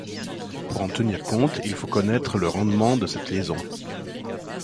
Pour en tenir compte, il faut connaître le rendement de cette liaison.